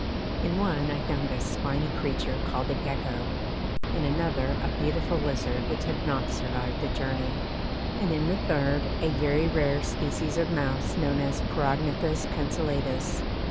In one I found a spiny creature called a Gecko, in another a beautiful lizard which had not survived the journey, and in the third a very rare species of mouse known as Perognathus Pencillatus.